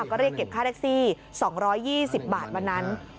ก็เลยเก็บค่าแท็กซี่๒๒๐บาทค่อนข้าง